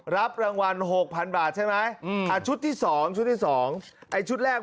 รับรางวัลหกพันบาทใช่ไหมอืมอ่าชุดที่สองชุดที่สองไอ้ชุดแรก